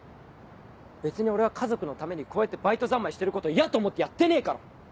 別に俺は家族のためにこうやってバイト三昧してること嫌と思ってやってねえから！